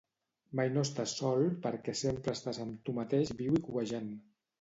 Mai no estàs sol perquè sempre estàs amb tu mateix viu i cuejant